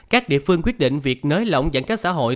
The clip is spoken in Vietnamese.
các địa phương quyết định việc nới lỏng giãn cách xã hội